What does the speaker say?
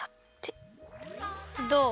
どう？